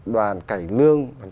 đoàn cải lương